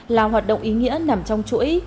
là hoạt động ý nghĩa nằm trong chuỗi